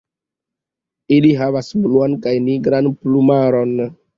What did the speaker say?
Ili havas bluan kaj nigran plumaron.